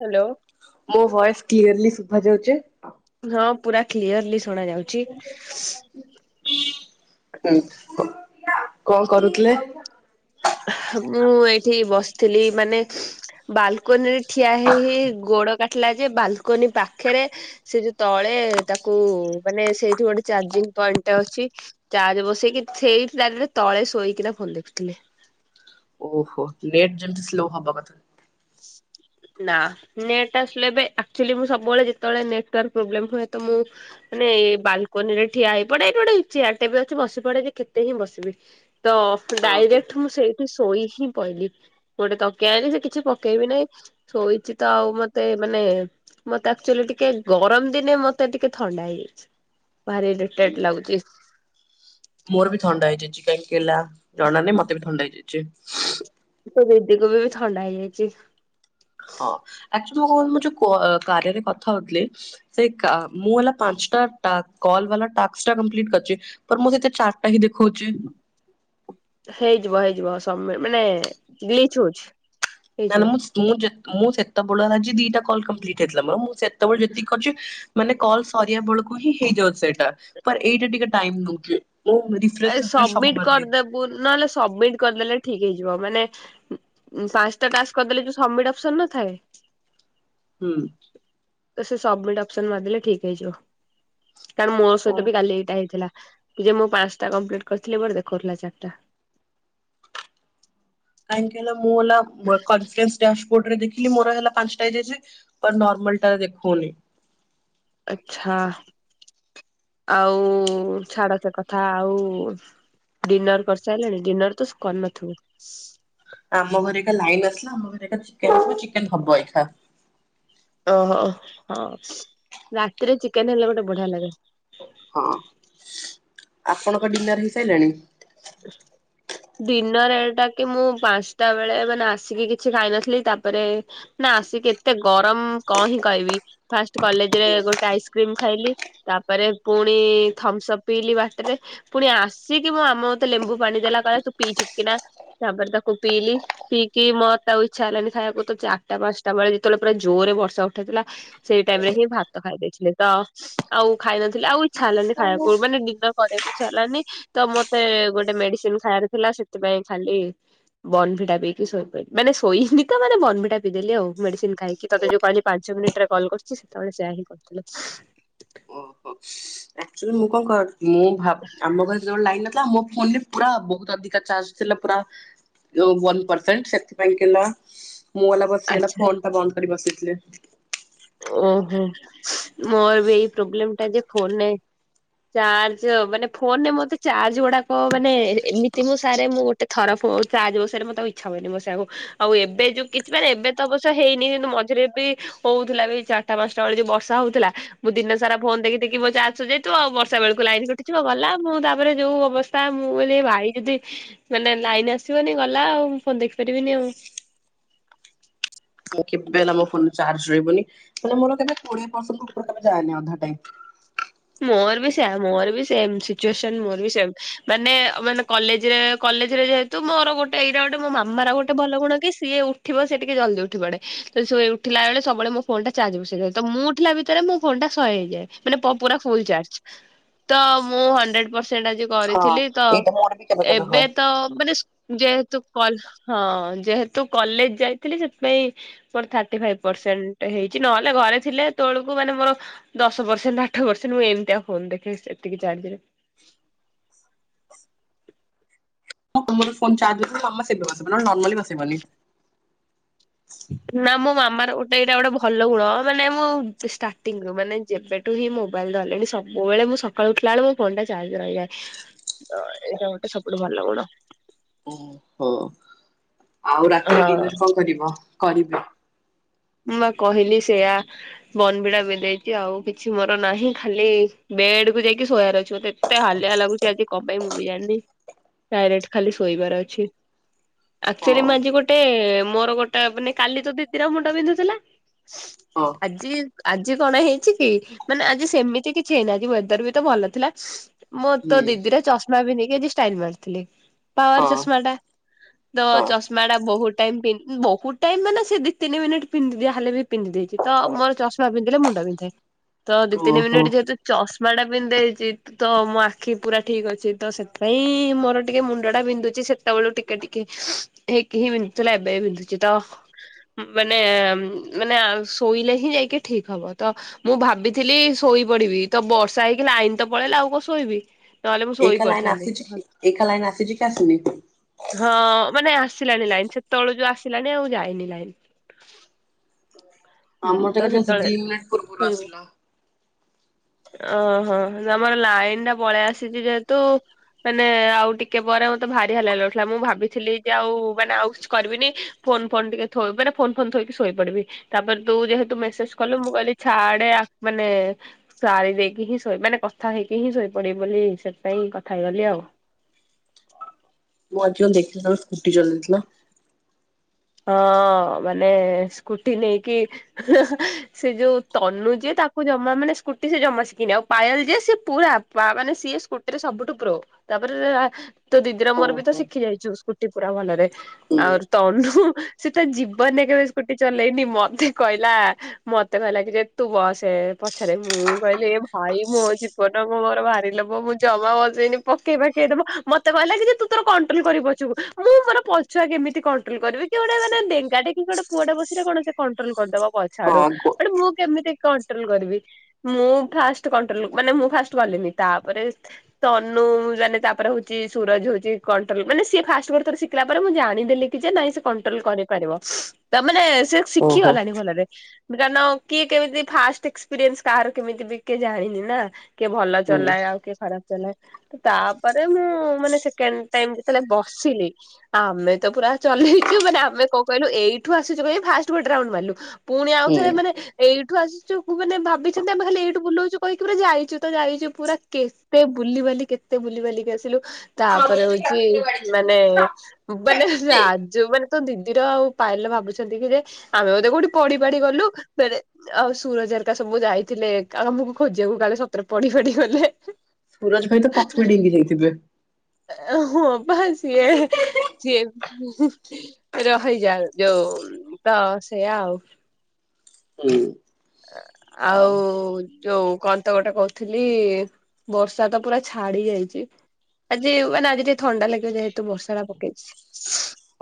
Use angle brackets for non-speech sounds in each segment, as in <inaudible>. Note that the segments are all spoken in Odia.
ହ୍ୟାଲୋ ମୋ ଭଏସ କ୍ଲିୟରଲି ଶୁଭା ଯାଉଛି? ହଁ ପୁରା କ୍ଲିୟରଲି ଶୁଣା ଯାଉଛି। ହୁଁ କଣ କରୁଥିଲେ? ମୁଁ ଏଇଠି ବସିଥିଲି ମାନେ ବାଲକୋନି ଠିଆ ହେଇ ହେଇ ଗୋଡ଼ କାଟିଲା ଯେ ବାଲକୋନି ପାଖରେ ସେ ଯୋଉ ତଳେ ତାକୁ ମାନେ ସେଇଠୁ ଗୋଟେ ଚାର୍ଜିଂ ପଏଣ୍ଟ ଅଛି। ଚାର୍ଜ ବସେଇକି ସେଇଠୀ ଡାଇରେକ୍ଟ ତଳେ ଶୋଇକିନା ଫୋନ୍ ଦେଖୁଥିଲି। ଓହୋ ନେଟ୍ ଯେମିତି ସ୍ଲୋ ହବ କଥା। ହ <inaudible> ନା ନେଟ ଆସିଲେ ବି ଆକଚୁଆଲି ମୁଁ ସବୁବେଳେ ଯେତେବେଳେ ନେଟୱାର୍କ ପ୍ରୋବ୍ଲେମ୍ ହୁଏ ତ ମୁଁ ମାନେ ଏ ବାଲକୋନି ରେ ଠିଆହେଇ ପଡେ। ଏଇଠୀ ଗୋଟେ ଚେୟାର ଟେ ବି ଅଛି ବସି ପଡେ ଯେ କେତେ ହିଁ ବସିବି। ତ ଓକେ। ଡାଇରେକ୍ଟ ମୁଁ ସେଇଠି ଶୋଇ ହିଁ ପଇଲିି। ଗୋଟେ ତକିଆ ଅଛି ସେ କିଛି ପ କେଇବିନି ଶୋଇଛି ତ ଆଉ ମତେ ମାନେ ମତେ ଆକଚୁଆଲି ଟିକେ ଗରମ ଦିନେ ମତେ ଟିକେ ଥଣ୍ଡା ହେଇଯାଇଛି। ଭାରି ଇରିଟ୍ରେଟ ଲାଗୁଛି। ମୋର ବି ଥଣ୍ଡା ହେଇଯାଇଛି, କାହିଁକି ହେଲା ଜଣାନାହିଁ ମତେ ବି ଥଣ୍ଡା ହେଇଯାଇଛି। ତୋ ଵେବି କୁ ବି ଥଣ୍ଡା ହେଇଯାଇଛି। ହଁ ଆକଚୁ <unintelligible> ମୁଁ ଯୋଉ କାରିଆରେ କଥା ହଉଥିଲି। ସେଇ କା ମୁଁ ହେଲା ପାଞ୍ଚଟା ଟା କଲ ଵେଲା ଟାସ୍କ ଟା କମ୍ଲିଟ୍ କରିଚି। ଫର୍ ମୁଁ ଯେତେ ଟା ଟା ହିଁ ଦେଖଉଛି। ହେଇଯିବ ହେଇଯିବ ସମ ମି ମାନେ ବ୍ଲିଞ୍ଚ ହଉଛି। ନା ହେଇଯିବ। ନା ମୁଁ ମୁଁ ଯେ ମୁଁ ସେତେବେଳେ ହେଲାଛି ଦିଟା କଲ କମ୍ପ୍ଲିଟ ହେଇଥିଲା ମର, ମୁଁ ସେତେବେଳେ ଯେତିକି କରିଛି ମାନେ କଲ ସରିବା ବେଳକୁ ହିଁ ହେଇଯାଉଛି ସେଇଟା। ପର୍ ଏଇଟା ଟିକେ ଟାଇମ ନଉଚି ଯୋଉ ରି ଏ ସବମିଟ କରିଦେବୁ ନହେଲେ ସବମିଟ କରିଦେଲେ ଠିକ ହେଇଯିବ ମାନେ ଉଁ ପାଞ୍ଚଟା ଟାସ୍କ କରିଦେଲେ ବି ସମିଟ ଅପ୍ସନ୍ ନଥାଏ। ହୁଁ। ସେ ସବମିଟ ଅପସନ ମାରିଦେଲେ ଠିକ ହେଇଯିବ। କାରଣ ମୋ ଓ। ସହିତ ବି କାଲି ଏଇଟା ହେଇଥିଲା ଯେ ମୁଁ ପାଞ୍ଚଟା କମ୍ପ୍ଲିଟ କରିଥିଲି ମୋର ଦେଖଉଥିଲା ଚାରିଟା। କାହିଁକି କହିଲ <unintelligible> ଡ୍ୟାସବୋର୍ଡରେ ଦେଖିଲି ମୋର ହେଲା ପାଞ୍ଚଟା ହେଇଯାଇସି ନର୍ମାଲ ଟାରେ ଦେଖଉନି। ଆଛା ଆଉ ଛାଡ ସେ କଥା ଆଉ ଡିନର କରିସାରିଲଣି ଡିନର ତ କରିନଥିବ। ଆମ ଘରେ ଏକା ଲାଇନ୍ ଆସିଲା ଆମ ଘରେ ଏକା ଚିକେନ ଚିକେନ ହବ ଏକା। ଓହୋ ହ ରାତିରେ ଚିକେନ ହେଲେ ଗୋଟେ ବଢିଆ ଲାଗେ। ହଁ ଆପଣଙ୍କ ଡିନର ହେଇସାଇଲାଣି? <unintelligible> ଡିନର ଏଇଟା କି ମୁଁ ପାଞ୍ଚଟା ବେଳେ ମାନେ ଆସିକି କିଛି ଖାଇନଥିଲି ତାପରେ ନା ଆସିକି ଏତେ ଗରମ କଅଁ ହିଁ କହିବି ଫାଷ୍ଟ ହୁଁ କଲେଜରେ ଗୋଟେ ଆଇସ୍କ୍ରିମ ଖାଇଲି। ତାପରେ ପୁଣି ଥମ୍ସ ଅପ ପିଇଲି ବାଟରେ ପୁଣି ଆସିକି ମୁଁ ଆମ ତ ଲେମ୍ବୁ ପାଣି ଦେଲା କଇଲା ତୁ ପି ଚୁକି କିନା ତାପରେ ତାକୁୁ ପିଇଲି। ପିଇକି ମତେ ଆଉ ଇଚ୍ଛା ହେଲାାନି ଖାଇବାକୁ ତ ଚାରିଟା ପାଞ୍ଚଟା ବେଳେ ଯେତେବେଳେ ପୁରା ଜୋଏରେ ବର୍ଷା ଉଠାଇଥିଲା। ସେଇ ଟାଇମ ରେ ହିଁ ଭାତ ଖାଇ ଦେଇଥିଲି ତ ଆଉ ଖାଇନଥିଲି ଆଉ ଇଚ୍ଛା ହେଲାନି ଖାଇବାକୁ ମାନେ ଡିନର କରିବାକୁ ଇଛା ହେଲାନି ତ ମତେ ଗୋଟେ ମେଡିସିନ ଖାଇବାର ଥିଲା ସେଥିପାଇଁ ଖାଲି ବନଭିିଟା ପିଇକି ଶୋଇପାଇଲି ମାନେ ଶୋଇନି ତ ମାନେ ବନ ଭିଟା ପିଦେଲି ଆଉ ମେଡିସିନ ଖାଇକି ତତେ ଯଉ କହିଲି ପାଞ୍ଚ ମିନିଟ୍ ରେ କଲ୍ କରୁଛି ସେତେବେଳେ ସେୟା ହିଁ କରୁଥିଲି। ଆକ୍‌ଚ୍ବାଲି ମୁଁ କଣ କର ମୁଁ ଭାବ ଆମ ଘରେ ଲାଇନନଥିଲା ମୋ ଫୋନ ରେ ପୁରା ବହୁତ ଅଧିକା ଚାର୍ଜ ଥିଲା ପୁରା ପରସେଣ୍ଟ ସେଥିପାଇଁ କିିନା ମୁଁ ବସିଗଲା ଆଚ୍ଛା ଫୋନ ଟା ବନ୍ଦ କରି ବସିଥିଲି। ଓହୋ ମୋର ବି ଏଇ ପ୍ରୋବ୍ଲେମ ଟା ଯେ ଫୋନରେ ଚାର୍ଜ ମାନେ ଫୋନରେ ମତେ ଚାର୍ଜ ଉଡାକ ମାନେ ଏମିତି ମୁଁ ସାରେ ମୁଁ ଗ ଏ ଥର ଫୋନ ଚାର୍ଜ ବସେଇଲେ ମତେ ଇଚ୍ଛା ହୁଏନି ବସେଇବାକୁ ଆଉ ଏବେ ଯୋଉ କିଛି ମାନ ଏବେ ତ ଅବଶ୍ୟ ହେଇନି କିନ୍ତୁ ମଝିରେ ବି ହଉ ଥିଲା ଏ ଚାରଟ ପାଞ୍ଚାଟା ବେଳେ ଜଉ ବର୍ଷା ହଉଥିଲା ମୁଁ ଦିନ ସାରା ଫୋନ ଦେଖି ଦେଖି ମୋ ଚାର୍ଜ ସାରି ଯାଇଥିବ ଆଉ ବର୍ଷା ବେଳକୁ ଲାଇନି କ୍ ଗଲା ମୁଁ ତାପରେ ଯୋଉ ଅବସ୍ଥା ମୁଁ କହିଲି ଭାଇ ଯଦି ମାନେ ଲାଇନ ଆସିବନି ଗଲା ଆଉ ମୁଁ ଫୋନ ଦେଖିପାରିବିନି ଆଉ ମୁଁ କେବେ ହେଲା ମୋ ଫୋନ ଚାର୍ଜ ସରିବନି ମାନେ ମୋର କେବେ କୋଡିଏ ପରସେଟ ଉପରକୁ କେବେ ଯାଏନି ଅଧା ଟାଇମ। ମୋର ବି ସେୟା ମୋର ବି ସେମ୍ ସିଚୁଏସନ ମୋର ବି ସେମ ମାନେ ମାନେ କଲେଜରେ କଲେଜରେ ଯେ ତ ମୋରୋ ଗୋଟେ ଏଇଟା ଗୋଟେ ମାମାର ଗୋଟ ଭଲ ଗୁଣ କି ସିଏ ଉଠିବ ସେ ଟିକେ ଜଲଦି ଉଠିବ ବଡେ ତ ସ ସେ ଥିଲାବେଳେ ସବୁବେଳେ ମୋ ଫୋନ୍ନଟା ଚାର୍ଜ ବସେଇ ଦିଏ ତ ମୁଁ ଉଠିଲା ଭିତରେ ମୋ ଫୋନ ଟା ସହେ ହେଇଯାଏ ମାନେ ପୁରା ଫୁଲ୍ ଚାର୍ଜ ତ ମୁଁ ହୁଣ୍ଡ୍ରେଡ ପରସେଣ୍ଟ ଆଜି ହଁ କରିଥିଲି ତ ଏଇଟା ମୋର ବି କେବେ କେବେ ଏବେ ହୁଏ। ତ ମାନେ ଯେହେତୁ କଲ୍ ହଁ ଯେହେତୁ କଲେଜ ଯାଇଥିଲି ସେଥିପାଇଁ ମୋର ଥାର୍ଟିଫାଇଭ୍ ପରସେଣ୍ଟ ହେଇଛି ନହେଲେ ଘରେ ଥିଲେ ଏତଲକୁ ମାନେ ମୋର ଦଶ ପରସେଣ୍ଟ ଆଠ ବର୍ଷ ମୁଁ ଏମିତିଆ ଫୋନ ଦେଖେ ଏତିକି ଚାର୍ଜରେ ହଁ ତମର ଫୋନ ଚାର୍ଜ ମାମା ସେବେ ବସିବ ନର୍ମାଲି ବସିବନି। ନା ମୋ ମାମାର ଗୋଟେ ଏଇଟା ଗୋଟେ ଭଲ ଗୁଣ ମାନେ ମୁଁ ଷ୍ଟାର୍ଟିଂ ରୁ ମାନେ ଯେବେ ଟୁହି ମୋବାଇଲ ଧରିଲେଣି ସବୁବେଳେ ମୁଁ ସକାଳୁ ଉଠିଲା ଏଳୁ ମୋ ଫୋନଟା ଚାର୍ଜ ରହିଯାଏ। ଏଟା ଗୋଟେ ସବୁଠୁ ଭଲ ଗୁଣ। ଓହୋ ଆଉ ରାତିରେ ହଁ। ଡିନର କଣ କରିବ କରିବି। ମୁଁ ବା କହିଲି ସେଇଆ ବନ ଭିଟା ପି ଦେଇଚି ଆଉ କିଛି ମୋର ନାହିଁ ଖାଲି ବେଡ କୁ ଯାଇକି ଶୋଇଆର ଅଛି ମୋତେ। ମତେ ହାଲିଆ ଲାଗୁଛି ଆଜି କଆଁ ପାଇଁ ମୁଁ ବି ଜାଣିନି ଡାଇରେକ୍ଟ ଖାଲି ଶୋଇବାର ଅଛି। ଆକଚୁଆଲି ହଁ ମୁଁ ଆଜି ଗୋଟେ ମୋର ଗୋଟେ ମାନେ କାଲି ତ ଦିଦର ମୁଣ୍ଡ ବିନ୍ଧୁଥିଲା। ହଁ ଆଜି ଆଜି କଣ ହେଇଛି କି ମାନେ ଆଜି ସେମିତି କିଛି ହେଇନି ଆଯି ୱେଦର ବି ତ ଭଲ ଥିଲା। ମୋର୍ ତୋ ହୁଁ ଦିଦିର ଚସମା ବି ପିନ୍ଧିକି ଏଠି, ଷ୍ଟାଇଲ୍ ମାରୁଥିଲି। ହଁ ପାୱାର୍ ଚଶମା ଟା। ତ ହଁ ଚଷମା ଟା ବହୁତ୍ ଟାଇମ୍ ପି ବହୁତ୍ ଟାଇମ୍ ମାନେ ସେଦି। ତିନି ମିନିଟ୍ ପିନ୍ଧିଦିଏ ଯାହା ହେଲେ ବି ପିନ୍ଧି ଦେଇଛି। ତ ମୋର ଚଷମା ପିନ୍ଧିଲେ ମୁଣ୍ଡ ବିନ୍ଧେ। ତ ଦି ତିନି ଓହୋ ମିନିଟ୍ ଯେହେତୁ ଚଷମା ଟା ବିିନ୍ଦେଇଚି ତ, ମୋ ଆଖି ପୁରା ଠିକ୍ ଅଛି, ତ ସେଥିପାଇଁ ମୋର ଟିକେ ମୁଣ୍ଡ ଟା ବିନ୍ଧୁଛି, ସେତେବେଳୁ ଟିକେ ଟିକେ। ହେଇ କି ହି ବିନ୍ଧୁ ଥିଲା, ଏବେ ବି ବିନ୍ଧୁଚି ତ। ମାନେ, ମାନେ, ଆ ଶୋଇଲେ ହିଁ ଯାଇକି ଠିକ ହବ ତ। ମୁଁ ଭାବିଥିଲି ଶୋଇ ପଡ଼ିବି, ତ ବର୍ଷା ହେଇକି ଲାଇନ୍ ତ ପଳେଇଲା, ଆଉ କଁ ଶୋଇବି। ନହେଲେ ମୁଁ ଶୋଇ ଏଇଖା ଲାଇନ୍ ଆସୁଛି ପଡିଥାନ୍ତି। କି ଏଇଖା ଲାଇନ୍ ଆସିଛି କି ଆସୁନି? ହଁ, ମାନେ ଆସିଲାଣି ଲାଇନ୍, ସେତେବେଳୁ ଯୋଉ ଆସିଲାଣିି, ଆଉ ଯାଇନି ଲାଇନ୍। ହୁଁ, ଆମର ତ ଏକା ଜଷ୍ଟ ସେତେ ଦି ବେଳେ ମିନିଟ ପୂର୍ବରୁ ହୁଁ। ଆସିଲା। ଅଁ ହଁ, ତମର ଲାଇନ୍ ଟା ପଳେଇ ଆସିଛି ଯେହେତୁ। ମାନେ, ଆଉ ଟିକେ ପରେ ମତେ ଭାରି ହାଲିଆ ଲାଗୁ ଥିଲା। ମୁଁ ଭାବିଥିଲି ଯେ ଆଉ, ମାନେ ଆଉ ସ୍ ‌ କରି ବିନି। ଫୋନ୍ ଫୋନ୍ ଟିକେ ଥୋଇି ମାନେ। ଫୋନ୍ ଫୋନ୍ ଥୋଇକି ଶୋଇ ପଡ଼ିବି, ତାପରେ ତୁ ଯେହେତୁ ମେସେଜ କଲୁ, ମୁଁ କହିଲି ଛାଡ଼େ ଆ ମାନେ। ସାରି ଦେଇକି ହିଁ ଶୋଇ, ମାନେ କଥା ହେଇକି ହିଁ ଶୋଇ ପଡ଼ିବି ବୋଲି, ସେଥିପାଇଁ କଥା ହେଇଗଲି ଆଉ। ମୁଁ ଆଜି କଁ ଦେଖିଲି ତମେ ସ୍କୁଟି ଚଲଉ ଥିଲ। ହଁ, ମାନେ ସ୍କୁଟି ନେଇକି। ସେ ଯୋଉ, ତନୁ ଯିଏ ତାକୁ ଜମା ମାନେ ସ୍କୁଟି ସେ ଜମା ଶିଖିନି, ଆଉ ପାୟଲ ଜିଏ ସେ ପୁରା। ବା, ମାନେ ସିଏ ସ୍କୁଟିରେ ସବୁଠୁ ପ୍ରୋ ତାପରେ। ତୋ ଦିଦିର ମୋର ବି ତ ଓହୋ ଶିଖି ଯାଇଛୁ, ସ୍କୁଟି ପୁରା ଭଲରେ, ହୁଁ ଆଉ ତନୁ ହୁଁ। ସେ ତା ଜୀବନ ରେ କେବେ ସ୍କୁଟି ଚଲେଇନି, ମତେ କହିଲା। ମତେ କହିଲା କି ଯେ, ତୁ ବସେ ପଛରେ ମୁଁ କହିଲି ଏ ଭାଇ, ମୋ ଯିବ ବନ କୁ ମୋର ଭାରି ଲୋଭ, ମୁଁ ଜମା ବସି ବିନି ପକେଇ ପାକାଇ ଦବ ମତେ କହିଲା କି ଯେ ତୁ ତୋର କଣ୍ଟ୍ରୋଲ କରିବୁ ପଛୁକୁ। ମୁଁ, ମୋର ପଛୁଆ କେମିତି କଣ୍ଟ୍ରୋଲ କରିବି। କିଏ ଗୋଟେ ମାନେ ଡେଙ୍ଗାଟେ କି ଗୋଟେ ପୁଅଟେ ବସଲେ କଣ ସେ କଣ୍ଟ୍ରୋଲ କରିଦବ ପଛଆଡ଼ୁ ହଁ ଗୋ ମାନେ ମୁଁ କେମିତି କ ଣ୍ଟ୍ରୋଲ କରିବି, ମୁଁ ଫାଷ୍ଟ କଣ୍ଟ୍ରୋଲ ମାନେ ମୁଁ ଫାଷ୍ଟ ଗଲିନି ତାପରେ। ତନୁ ଜାନେ ତାପରେ ହଉଚି ସୁରଜ ହଉଛି କଣ୍ଟ୍ରୋଲ, ମାନେ ସିଏ ଫାଷ୍ଟ ଗୋଟେ ଥର ସିଖ ସିଖିଲା ପରେ ମୁଁ ଜାଣିଦେଲି କି ଯେ, ନାଇଁ ସେ। କଣ୍ଟ୍ରୋଲ କରି ପାରିବ ତା ମାନେ ସେ ଶିଖି ଓହୋ ଗଲାଣି ଭଲରେ। ତମେ ଜାଣିନ, କିଏ କେମିତି ଫାଷ୍ଟ ଏକ୍ସପିରିଏନ୍ସ କାହାର କେମିତି ବି, କିଏ ଜାଣିନି ନା। କିଏ ଭଲ ହୁଁ ଚଲାଏ, ଆଉ କିଏ ଖରାପ୍ ଚଲାଏ। ତ ତା ପରେ ମୁଁ, ମାନେ ସେକେଣ୍ଡ ଟାଇମ୍ ଯେତେବେଳେ ବସିଲି। ଆମେ ତ ପୁରା ଚଲେଇ। ଚୁ ମାନେ ଆମେ କଁ କହିଲୁ, ଏଇଠୁ ଆସିଛୁ କହି ଫାଷ୍ଟ ଗୋଟେ ରାଉଣ୍ଡ୍ ମାରିଲୁ‌ ପୁଣି ଆଉ ଥରେ ହୁଁ। ମାନେ। ଏଇଠୁ ଆସିଛୁ ମାନେ ଭାବିଛନ୍ତି, ଆମେ ଖାଲି ଏଇଠୁ ବୁଲଉଛୁ କହିକି ପୁରା ଯାଇଛୁ ତ, ଯାଇଛୁ ପୁରା କେ ତେ ବୁଲିିବାଲି, କେତେ ବୁଲିି ବାଲିିକି ଆସିଲୁ। ତାପରେ ହଉଚି ମାନେ। <unintelligible> ଯୋଉମାନେ ତୋ ଦିଦିର, ଆଉ ପାୟଲ ର ଭାବୁଛନ୍ତି କି ଯେ, ଆମେ ବୋଧେ କୋଉଠି ପଡ଼ି ପାଡ଼ି ଗଲୁ ଫେରେ। ଆଉ ସୁରଜ ହରକା ସବୁ ଯାଇଥିଲେ ଆମକୁ ଖୋଜିବାକୁ, କାଳେ ସତରେ ପଡ଼ି ପାଡ଼ି ଗଲେ। ସୁରଜ ଭାଇ ତ ପଥୁରି ଡିଙ୍ଗି ହେଇଥିବେ। ଏ ହଁ, ପା ସିଏ ସିଏ ହୁଁ। ରହିଯା ଯୋଉ, ତ ସେଇଆ ଆଉ। ହୁଁ। ଆଉ। ଯୋଉ କଣ ତ ଗୋଟେ କହୁଥିଲି, ବର୍ଷା ତ ପୁରା ଛାଡ଼ି ଯାଇଚି। ଆଜି, ମାନେ ଆଜି ଟିକେ ଥଣ୍ଡା ଲାଗିବ। ଯେହେତୁ ବର୍ଷା ଟା ପକେଇଛି।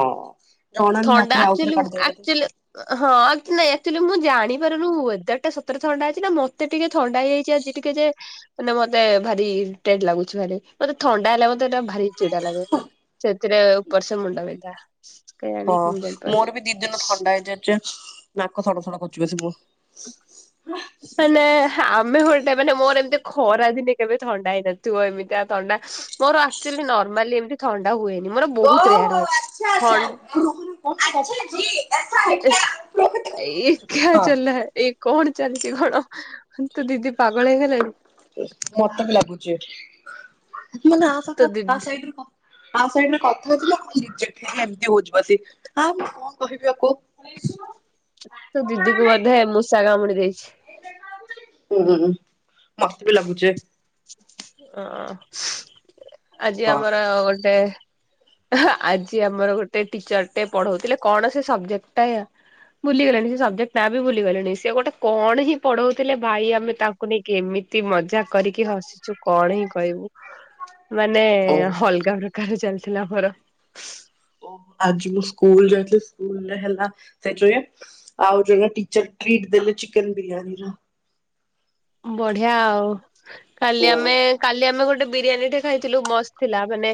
ହଁ, ଜଣା ନାହିଁ ଥଣ୍ଡା ରାତିରେ ଆଉଥରେ ଆକ୍ଚୁଆଲି କାଟି ଦେବେ ଜ ଦି। ଆକ୍ଚୁଆଲି ହଁ, ଆ ନାଇଁ ଅକ୍ଚୁଏଲି ମୁଁ ଜାଣି ପାରୁନି, ୱେଦର୍ ଟା ସତରେ ଥଣ୍ଡା ଅଛି ନା, ମତେ ଟିକେ ଥଣ୍ଡା ହେଇ ଯାଇଛି ଆଜି। ଟିକେ ଯେ। ମାନେ ମତେ ଭାରି ଇରିଟେଡ୍ ଲାଗୁଛି ଭାରି ମତେ ଥଣ୍ଡା ହେଲେ ମତେ ଏଟା ଭାରି ଚିଡା ଲାଗେ। ସେଥିରେ ଉପର୍ ସେ ମୁଣ୍ଡା ବିନ୍ଧା। ଏୟା। ହଁ ମୋର ବି ଦି ଦିନୁ ଥଣ୍ଡା ହେଇ ଯାଇଛି ନାକ ସଡ ସଡ କରୁଚି ବସିକି ମୁଁ। ମାନେ ଆମେ ଗୋଟେ ମାନେ ମୋର ଏମିତି ଖରା ଦିନେ କେବେ ଥଣ୍ଡା ହେଇ ନଥିବ ଏମିତିଆ ଥଣ୍ଡା। ମୋର ଆଚୁଆଲି ନର୍ମାଲି ଏମିତି ଥଣ୍ଡା ହୁଏନି ମୋର ବହୁତ ରେୟାର ହୁଏ। ଆଚ୍ଛା ଜି। ଏ ଏକା ହଁ ଚଲା ଏଇ କଣ ଚାଲିଛି କଣ? ହେ ତୋ ଦିଦି ପାଗଳ ହେଇଗଲାଣି। ମତେ ବି ଲାଗୁଛି ମାନେ ଆ ତୋ କଥା ଟା ଦିଦି ସାଇଡ୍ ଆ ସାଇଡ୍ ରେ କଥାଥିଲା ରିଜେକ୍ଟ ହେଇକି ଏମିତି ହଉଛିି ବସିକି ଆ ମୁଁ କଣ କହିବି ୟାକୁ। ତୋ ଦିଦି କୁ ବୋଧେ ମୂଷା କାମୁଡି ଦେଇଛି। ହୁଁ ହୁଁ ମତେ ବି ଲାଗୁଛି। ଆଁ ଆଜି ହଁ ଆମର ଗୋଟେ ଆଜି ଆମର ଗୋଟେ ଟିଚର୍ ଟେ ପଢଉଥିଲେ କଣ ସେ ସବଜେକ୍ଟ ଟା ଭୁଲିଗଲିଣି ସେ ସବଜେକ୍ଟ ନା ବି ଭୁଲିଗଲିଣି ସେ ଗୋଟେ କଣ ହିଁ ପଢଉଥିଲେ ଭାଇ ଆମେ ତା କୁ ନେଇକି ଏମିତି ମଜା କରି କି ହସିଛୁ କଣ ହିଁ କହିବୁ ମାନେ ହଉ ଅଲଗା ପ୍ର କାଲି ଚାଲିଥିଲା ଆମର। ଓ ଆଜି ମୁଁ ସ୍କୁଲ ଯାଇଥିଲି ସ୍କୁଲରେ ହେଲା ସେଥିରେ ଆଉ ଜଣ ଟିଚର ଟିଟ୍ ଦେଲେ ଚିକେନ୍‌ ବିରିୟାନି। ବଢିଆ ଆଉ କାଲି ହୁଁ ଆମେ କାଲି ଆମେ ଗୋଟେ ବିରିୟାନୀ ଟେ ଖାଇଥିଲୁ ମସ୍ତ ଥିଲା। ମାନେ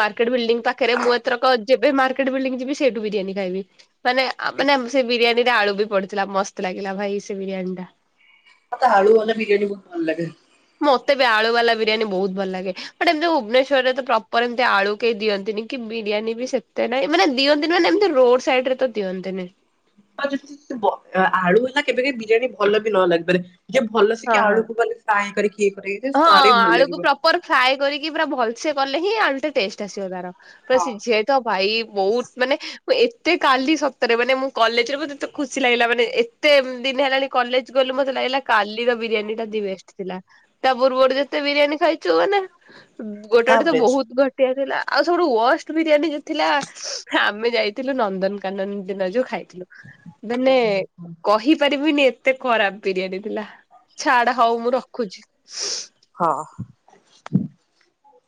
ମାର୍କେଟ ବିଲଡିଂ ପାଖରେ ମୁଁ ଏଥରକ ଯେବେ ମାର୍କେଟ ବିଲଡିଂ ଯିବି ସେଇଠୁ ବିରିୟାନୀ ଖାଇବି। ମାନେ ମାନେ ସେ ବିରିୟାନୀ ରେ ଆଳୁ ବି ପଡିଥିଲା ମସ୍ତ ଲାଗିଲା ଭାଇ ସେ ବିରିୟାନୀ ଟା। ମତେ ଆଳୁ ବାଲା ବିରିୟାନୀ ବହୁତ ଭଲ ଲାଗେ। ମତେ ବି ଆଳୁ ବାଲା ବିରିୟାନୀ ବହୁତ ଭଲ ଲାଗେ। ବଟ ଏମିତି ଭୁବନେଶ୍ୱରରେ ତ ପ୍ରପର ଏମିତି ଆଳୁ କେହି ଦିଅନ୍ତିନି କି ବିରିୟାନୀ ବି ସେତେ ନାଇଁ ମାନେ ଦିଅନ୍ତି ମାନେ ଏମିତି ରୋଡ ସାଇଡ୍‌ ରେ ତ ଦିଅନ୍ତିନି। <unintelligible> ଆଳୁ ହେଲା କେବେ କେବେ ବିରିୟାନୀ ଭଲ ବି ନ ଲାଗିପାରେ ଯେ ଭଲସେ ହଁ କି ହଁ। ଆଳୁକୁ ମାନେ ତାହାହିଁ କରିକି କିଏ କିରେ। ହଁ ଆଳୁକୁ ପ୍ରପର ଫ୍ରାଏ କରିକି ପୁରା ଭଲସେ କଲେ ହିଁ ଆଳୁଟା ଟେଷ୍ଟ ଆସିବ ତାର। ତ ସିଜେ। ତ ଭାଇ ବହୁତ ମାନେ ମୁଁ ଏତେ କାଲି ସତରେ ମାନେ ମୁଁ କଲେଜରେ ମତେ ଏତେ ଖୁସି ଲାଗିଲା ମାନେ ଏ କେତେ ଦିନ ହେଲାଣି କଲେଜ ଗଲୁ ମତେ ଲାଗିଲା କାଲିର ବିରିୟାନୀ ଟା ଦି ବେଷ୍ଟ ଥିଲା। ତା ପୂର୍ବରୁ ଯେତେ ବିରିୟାନୀ ଖାଇଛୁ ମାନେ ଗୋଟେ ଗୋଟେ ତ ଆଭରେଜ ବହୁତ୍‌ ଘଟ ଗୋଟିଏ ଥିଲା। ଆଉ ସବୁଠୁ ୱଷ୍ଟ ବିରିୟାନୀ ଯେ ଥିଲା ଆମେ ଯାଇଥିଲୁ ନନ୍ଦନକାନନ ଦିନ ଯୋଉ ଖାଇଥିଲୁ। ମାନେ କହିପାରିବିନି ଏ ଏତେ ଖରାପ ବିରିୟାନୀ ଥିଲା ଛାଡା ହୋଉ ମୁଁ ରଖୁଛି। ହଁ।